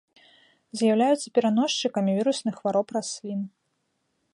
З'яўляюцца пераносчыкамі вірусных хвароб раслін.